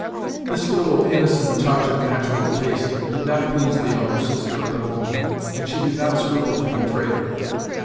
This little innocent touch of natural taste did not please the elder sister at the moment, and she did not scruple to betray it.